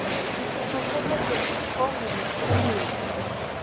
همدا بس ده چې د پام وړ مفکوره مو وليکئ.